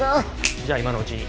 じゃ今のうちに。